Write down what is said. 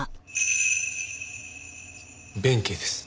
弁慶です。